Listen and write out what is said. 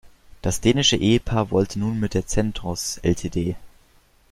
Das dänische Ehepaar wollte nun mit der Centros Ltd.